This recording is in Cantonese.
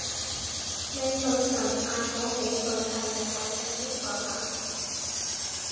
你女神嗌嗰幾句係日文定英文嚟？